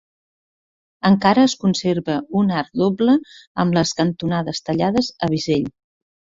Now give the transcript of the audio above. Encara es conserva un arc doble amb les cantonades tallades a bisell.